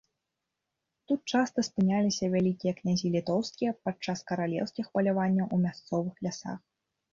Тут часта спыняліся вялікія князі літоўскія пад час каралеўскіх паляванняў у мясцовых лясах.